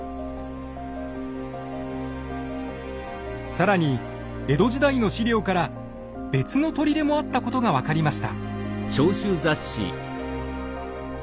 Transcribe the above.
更に江戸時代の史料から別の砦もあったことが分かりました。